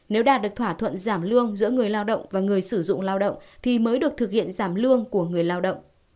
nếu đạt được thỏa thuận giảm lương giữa người lao động và người sử dụng lao động thì mới được thực hiện giảm lương của người lao động